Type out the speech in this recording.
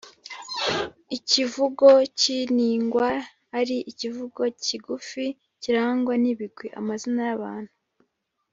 ikivugo k’iningwa ari ikivugo kigufi kirangwa n’ibigwi (amazina y’abantu